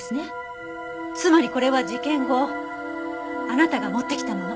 つまりこれは事件後あなたが持ってきたもの。